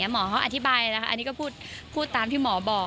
หมอเขาอธิบายนะคะอันนี้ก็พูดตามที่หมอบอก